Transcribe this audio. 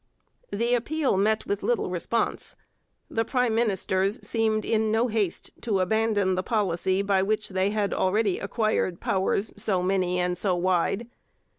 The appeal met with little response. The prime ministers seemed in no haste to abandon the policy by which they had already acquired powers so many and so wide.